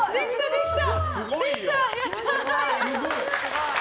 できた！